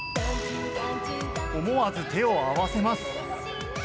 思わず、手を合わせます。